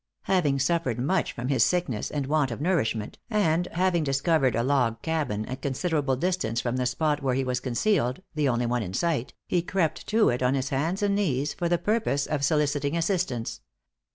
Having suffered much from his sickness and want of nourishment, and having discovered a log cabin at considerable distance from the spot where he was concealed, the only one in sight, he crept to it on his hands and knees, for the purpose of soliciting assistance.